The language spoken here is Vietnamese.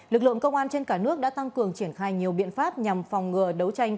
lực lượng công an trên cả nước đã tăng cường triển khai nhiều biện pháp nhằm phòng ngừa đấu tranh